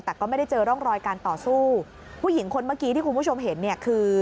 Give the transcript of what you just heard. แต่ก็ไม่ได้เจอร่องรอยการต่อสู้ผู้หญิงคนเมื่อกี้ที่คุณผู้ชมเห็นเนี่ยคือ